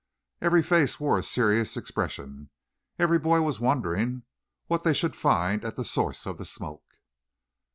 Every face wore a serious expression, every boy was wondering what they should find at the source of the smoke.